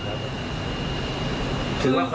จ้ะ